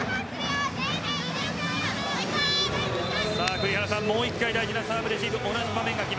栗原さん、もう１回大事なサーブレシーブ